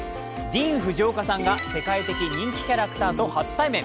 ディーン・フジオカさんが世界的人気キャラクターと初対面。